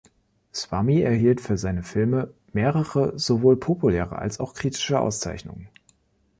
Swamy erhielt für seine Filme mehrere sowohl populäre als auch kritische Auszeichnungen.